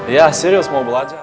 ya serius mau belajar